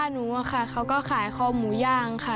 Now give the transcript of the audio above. หนูอะค่ะเขาก็ขายคอหมูย่างค่ะ